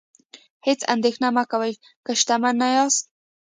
هیڅ اندیښنه مه کوئ که شتمن نه یاست.